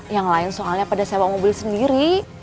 yang lain soalnya pada sewa mobil sendiri